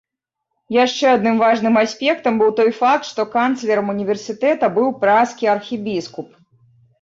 Яшчэ адным важным аспектам быў той факт, што канцлерам універсітэта быў пражскі архібіскуп.